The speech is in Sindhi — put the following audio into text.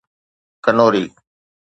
ڪنوري